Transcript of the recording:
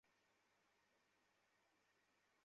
ওকে মিনতি করে বলেছিলাম যে এটা করতে না।